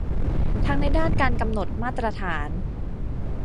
ทั้งในด้านการกำหนดมาตรฐาน